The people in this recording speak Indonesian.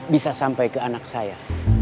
bisa sampai ke anak saya